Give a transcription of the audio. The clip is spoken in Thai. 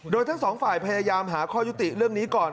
โดยทั้งสองฝ่ายพยายามหาข้อยุติเรื่องนี้ก่อน